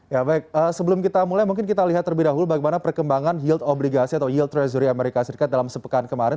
ya baik sebelum kita mulai mungkin kita lihat terlebih dahulu bagaimana perkembangan yield obligasi atau yield treasury amerika serikat dalam sepekan kemarin